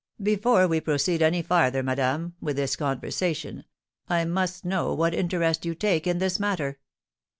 "Before we proceed any farther, madame, with this conversation, I must know what interest you take in this matter?"